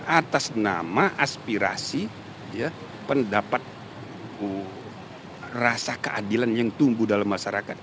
atas nama aspirasi pendapat rasa keadilan yang tumbuh dalam masyarakat